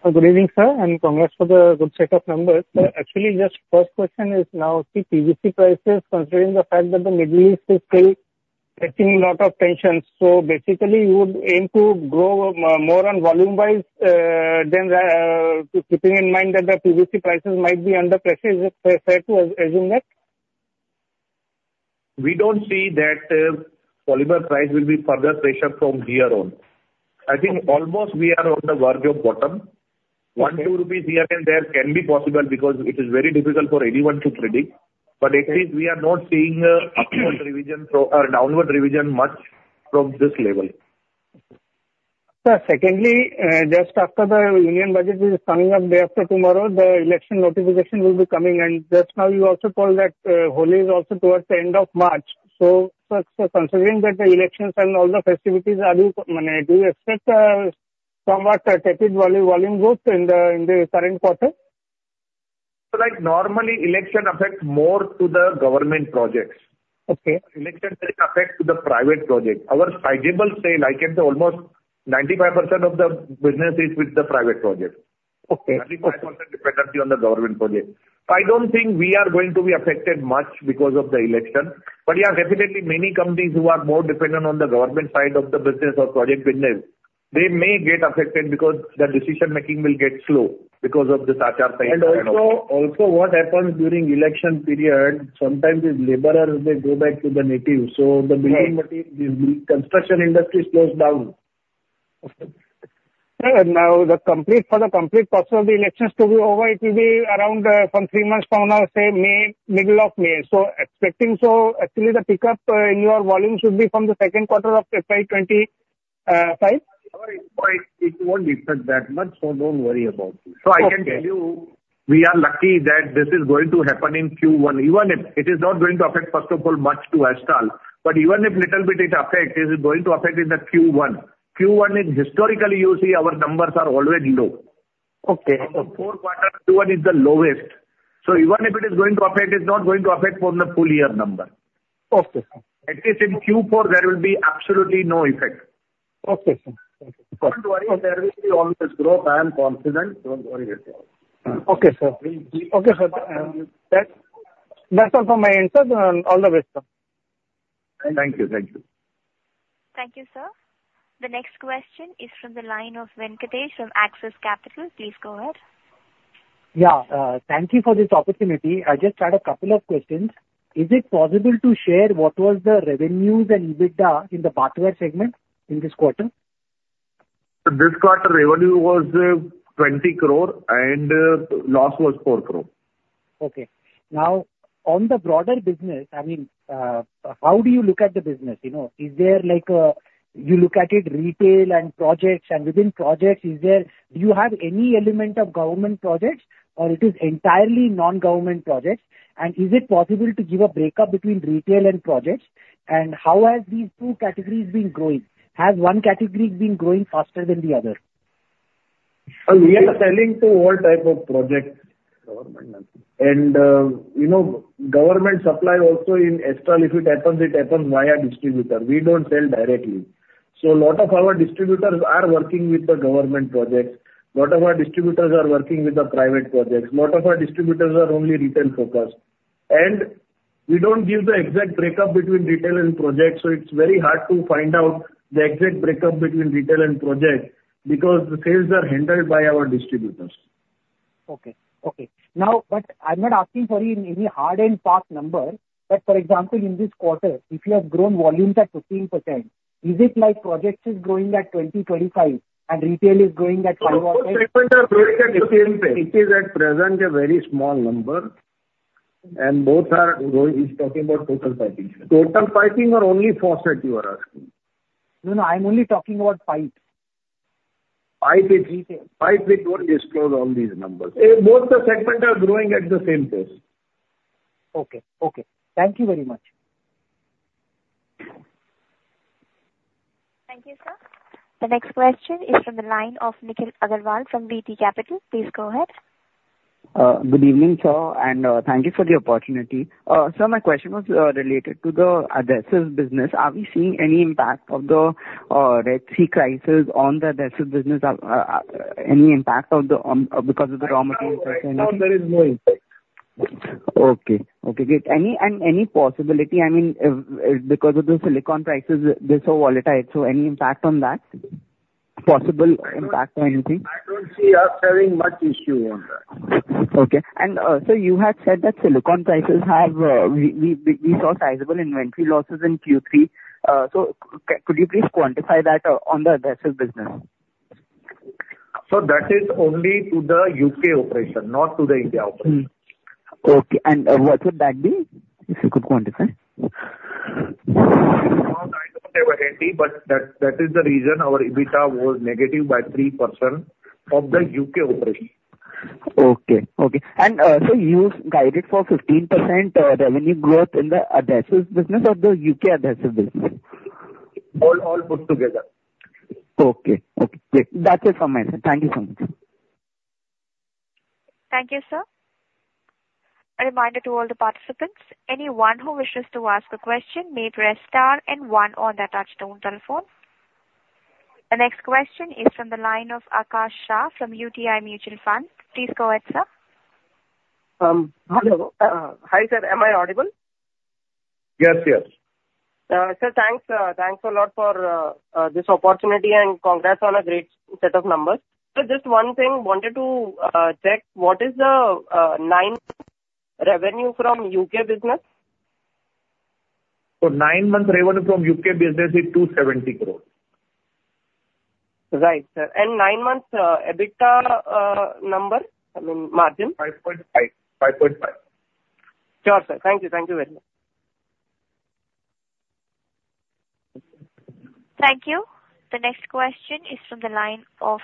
Good evening, sir, and congrats for the good set of numbers. Actually, just first question is now, the PVC prices, considering the fact that the Middle East is still facing a lot of tensions, so basically you would aim to grow more on volume-wise than keeping in mind that the PVC prices might be under pressure. Is it fair to assume that? We don't see that polymer price will be further pressure from here on. I think almost we are on the verge of bottom. 1-2 rupees here and there can be possible because it is very difficult for anyone to predict, but at least we are not seeing a upward revision from, or downward revision much from this level. Sir, secondly, just after the Union Budget. So, like, normally, election affects more to the government projects. Okay. Election doesn't affect to the private project. Our sizable sale, I can say almost 95% of the business is with the private project.... Okay. Dependency on the government project. I don't think we are going to be affected much because of the election, but yeah, definitely many companies who are more dependent on the government side of the business or project business, they may get affected because the decision making will get slow because of this Achar Samhita- Also, also what happens during election period, sometimes these laborers, they go back to the natives. So the building- Right. The construction industry slows down. Sir, now for the complete process of the elections to be over, it will be around, from three months from now, say May, middle of May. So expecting so actually the pickup, in your volume should be from the second quarter of FY 2025? It won't affect that much, so don't worry about it. Okay. I can tell you, we are lucky that this is going to happen in Q1. Even if it is not going to affect, first of all, much to Astral, but even if little bit it affect, it is going to affect in the Q1. Q1 is historically, you see, our numbers are always low. Okay. Out of four quarters, Q1 is the lowest. Even if it is going to affect, it's not going to affect for the full year number. Okay. At least in Q4, there will be absolutely no effect. Okay, sir. Thank you. Don't worry, there will be all this growth. I am confident. Don't worry at all. Okay, sir. Okay, sir. That's all for my answers, and all the best, sir. Thank you. Thank you. Thank you, sir. The next question is from the line of Venkatesh from Axis Capital. Please go ahead. Yeah, thank you for this opportunity. I just had a couple of questions. Is it possible to share what was the revenues and EBITDA in the bathware segment in this quarter? This quarter revenue was 20 crore and loss was 4 crore. Okay. Now, on the broader business, I mean, how do you look at the business? You know, is there like a, you look at it retail and projects, and within projects, is there? Do you have any element of government projects, or it is entirely non-government projects? And is it possible to give a breakup between retail and projects? And how has these two categories been growing? Has one category been growing faster than the other? We are selling to all type of projects, government and... And, you know, government supply also in Astral, if it happens, it happens via distributor. We don't sell directly. So a lot of our distributors are working with the government projects. A lot of our distributors are working with the private projects. A lot of our distributors are only retail focused, and we don't give the exact breakup between retail and projects, so it's very hard to find out the exact breakup between retail and project, because the sales are handled by our distributors. Okay, okay. Now, but I'm not asking for any hard and fast number, but for example, in this quarter, if you have grown volumes at 15%, is it like projects is growing at 20-25, and retail is growing at 5%? Both segments are growing at the same pace. It is at present a very small number, and both are growing. He's talking about total piping. Total piping or only faucet you are asking? No, no, I'm only talking about pipe. Pipe, it- Retail. Pipe, we don't disclose all these numbers. Both the segments are growing at the same pace. Okay, okay. Thank you very much. Thank you, sir. The next question is from the line of Nikhil Agarwal from VT Capital. Please go ahead. Good evening, sir, and thank you for the opportunity. Sir, my question was related to the adhesives business. Are we seeing any impact of the Red Sea crisis on the adhesives business? Any impact on, because of the raw material? No, there is no impact. Okay, okay. Any possibility, I mean, because of the silicone prices, they're so volatile, so any impact on that? Possible impact or anything? I don't see us having much issue on that. Okay. Sir, you had said that we saw sizable inventory losses in Q3. So could you please quantify that on the adhesives business? That is only to the UK operation, not to the India operation. Okay, and what would that be, if you could quantify? Well, I don't have it ready, but that, that is the reason our EBITDA was negative by 3% from the U.K. operation. Okay, okay. So you guided for 15% revenue growth in the adhesives business or the UK adhesive business? All, all put together. Okay. Okay, great. That's it from me, sir. Thank you so much. Thank you, sir. A reminder to all the participants, anyone who wishes to ask a question may press star and one on their touchtone telephone. The next question is from the line of Akash Shah from UTI Mutual Fund. Please go ahead, sir. Hello. Hi, sir, am I audible? Yes, yes. Sir, thanks a lot for this opportunity, and congrats on a great set of numbers. So just one thing, wanted to check, what is the 9 revenue from UK business? 9-month revenue from UK business is 270 crore. Right, sir. Nine months EBITDA number? I mean, margin. 5.5, 5.5. Sure, sir. Thank you. Thank you very much. Thank you. The next question is from the line of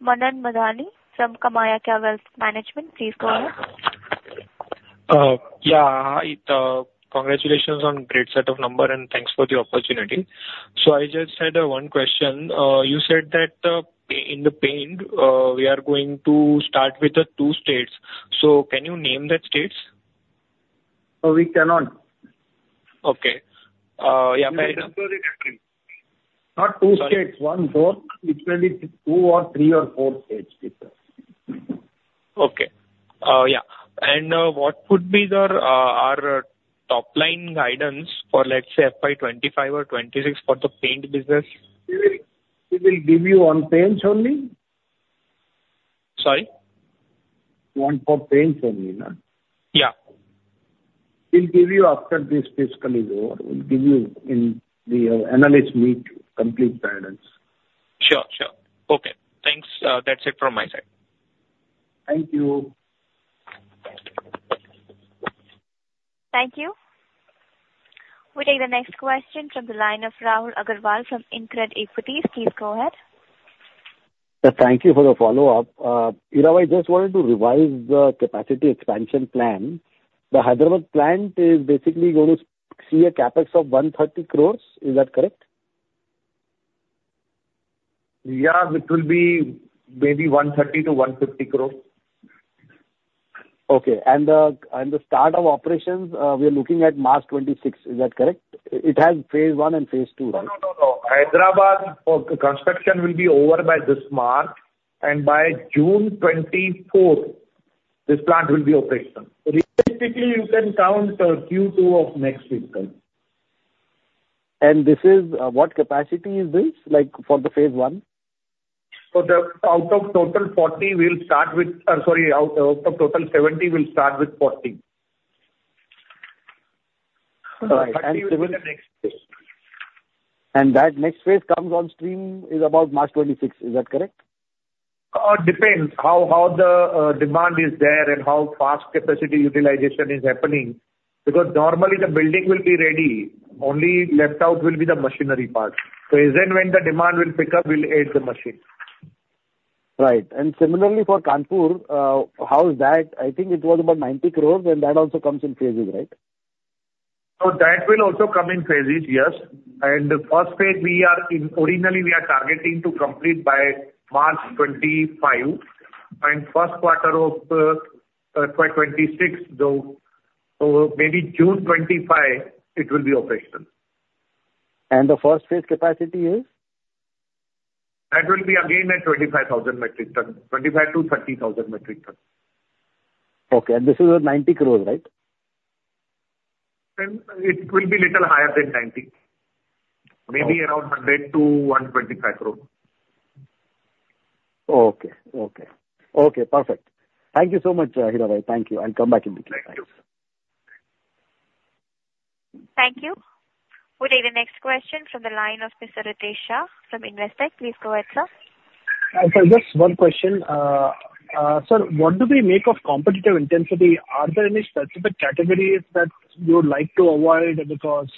Manan Madlani from KamayaKya Wealth Management. Please go ahead. Yeah, congratulations on great set of numbers and thanks for the opportunity. I just had one question. You said that in the paints we are going to start with the two states. Can you name those states?... So we cannot. Okay. Yeah, but I- Not 2 states, 1, 4. Literally 2 or 3 or 4 states, people. Okay. Yeah, and what would be your, our top line guidance for, let's say, FY 25 or 26 for the paint business? We will, we will give you on paints only. Sorry? One for paints only, no? Yeah. We'll give you after this fiscal is over. We'll give you in the analyst meet, complete guidance. Sure. Sure. Okay, thanks. That's it from my side. Thank you. Thank you. We'll take the next question from the line of Rahul Agarwal from InCred Equities. Please go ahead. Yeah, thank you for the follow-up. Hiranand, I just wanted to revise the capacity expansion plan. The Hyderabad plant is basically going to see a CapEx of 130 crores. Is that correct? Yeah. It will be maybe 130 crore-150 crore. Okay. And the start of operations, we are looking at March 2026. Is that correct? It has phase one and phase two, right? No, no, no, no. Hyderabad for construction will be over by this March, and by June 24th, this plant will be operational. Realistically, you can count Q2 of next fiscal. What capacity is this, like, for the phase one? So, out of total 70, we'll start with 40. All right. 40 will be the next phase. That next phase comes on stream is about March 2026. Is that correct? Depends how the demand is there and how fast capacity utilization is happening, because normally the building will be ready, only left out will be the machinery part. So it is then when the demand will pick up, we'll add the machines. Right. And similarly for Kanpur, how is that? I think it was about 90 crore, and that also comes in phases, right? So that will also come in phases, yes. And the first phase we are in, originally we are targeting to complete by March 2025, and first quarter of FY 2026, though, so maybe June 2025, it will be operational. The first phase capacity is? That will be again at 25,000 metric tons, 25,000-30,000 metric tons. Okay, and this is at 90 crore, right? It will be little higher than 90. Okay. Maybe around 100 crore-125 crore. Okay. Okay. Okay, perfect. Thank you so much, Hiranand. Thank you. I'll come back in the queue. Thank you. Thank you. We'll take the next question from the line of Mr. Ritesh Shah from Investec. Please go ahead, sir. Hi, sir, just one question. Sir, what do we make of competitive intensity? Are there any specific categories that you would like to avoid because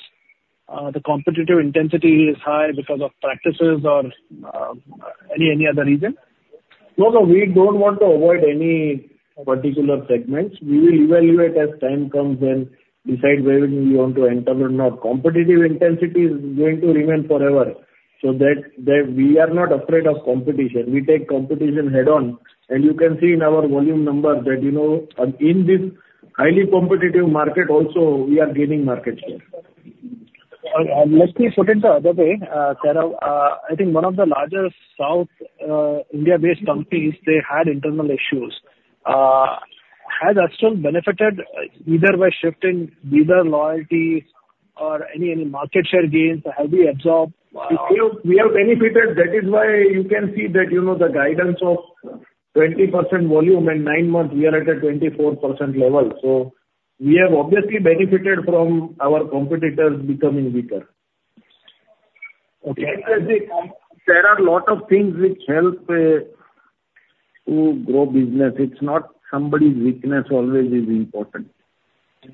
the competitive intensity is high because of practices or any other reason? No, no, we don't want to avoid any particular segments. We will evaluate as time comes and decide whether we want to enter or not. Competitive intensity is going to remain forever, so that, that we are not afraid of competition. We take competition head-on, and you can see in our volume numbers that, you know, in this highly competitive market also, we are gaining market share. Let me put it the other way. Sir, I think one of the largest South India-based companies, they had internal issues. Has Astral benefited, either by shifting dealer loyalty or any, any market share gains or have we absorbed? We have, we have benefited. That is why you can see that, you know, the guidance of 20% volume, in nine months we are at a 24% level. So we have obviously benefited from our competitors becoming weaker. Okay. There are a lot of things which help to grow business. It's not somebody's weakness always is important.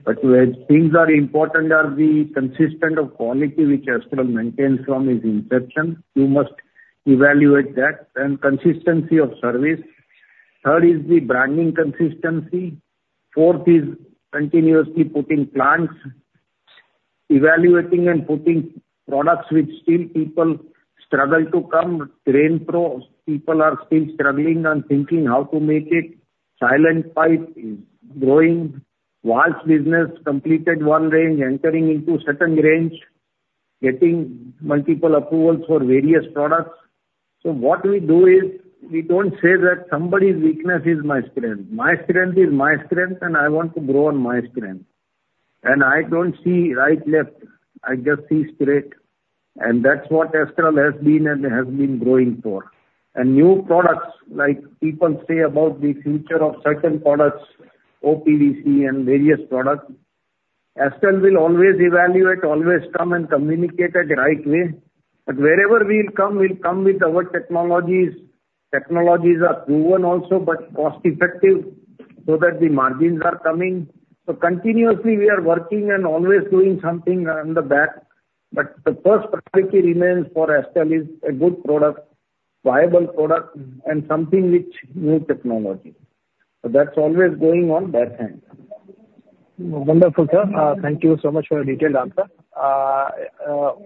But where things are important are the consistency of quality which Astral maintains from its inception. You must evaluate that, and consistency of service. Third is the branding consistency. Fourth is continuously putting plans, evaluating and putting products which still people struggle to come. RainPro, people are still struggling and thinking how to make it. Silencio is growing. Valves business completed one range, entering into second range, getting multiple approvals for various products. So what we do is, we don't say that somebody's weakness is my strength. My strength is my strength, and I want to grow on my strength. And I don't see right, left, I just see straight, and that's what Astral has been and has been growing for. New products like people say about the future of certain products, O-PVC and various products, Astral will always evaluate, always come and communicate it right way. But wherever we'll come, we'll come with our technologies. Technologies are proven also, but cost effective so that the margins are coming. So continuously we are working and always doing something on the back, but the first priority remains for Astral is a good product, viable product, and something which new technology. So that's always going on that end. Wonderful, sir. Thank you so much for your detailed answer.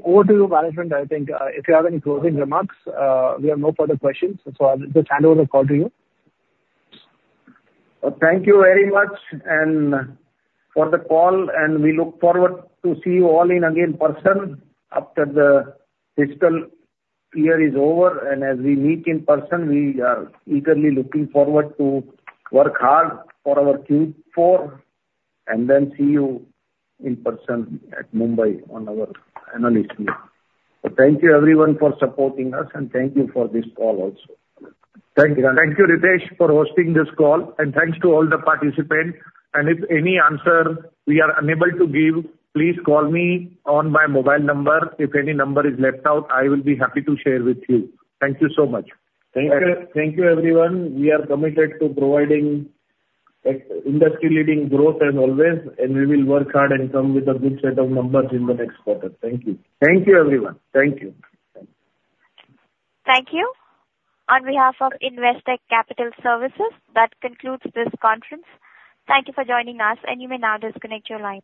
Over to you, management, I think, if you have any closing remarks, we have no further questions, so I'll just hand over the call to you. Thank you very much and, for the call, and we look forward to see you all in again person after the fiscal year is over. And as we meet in person, we are eagerly looking forward to work hard for our Q4, and then see you in person at Mumbai on our analyst meet. So thank you everyone for supporting us, and thank you for this call also. Thank you, Ritesh, for hosting this call, and thanks to all the participants. If any answer we are unable to give, please call me on my mobile number. If any number is left out, I will be happy to share with you. Thank you so much. Thank you. Thank you, everyone. We are committed to providing industry-leading growth as always, and we will work hard and come with a good set of numbers in the next quarter. Thank you. Thank you, everyone. Thank you. Thank you. On behalf of Investec Capital Services, that concludes this conference. Thank you for joining us, and you may now disconnect your line.